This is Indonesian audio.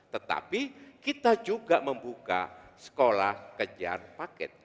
tetapi kita juga membuka sekolah kejar paket